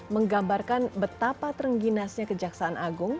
menggambarkan betapa terengginasnya kejaksaan agung